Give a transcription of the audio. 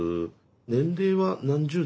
年齢は何十代？